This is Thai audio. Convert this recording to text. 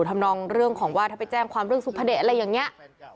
ทำนองเรื่องของว่าถ้าไปแจ้งความเรื่องสุภเดชอะไรอย่างนี้